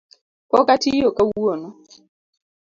Pok atiyo kawuono.